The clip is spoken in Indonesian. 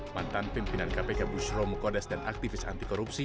mantan pimpinan kpk bushromu kodes dan aktivis anti korupsi